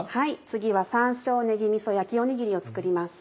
次は「山椒ねぎみそ焼きおにぎり」を作ります。